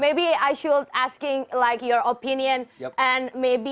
mungkin saya harus bertanya tentang pendapat anda